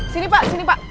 sini pak sini pak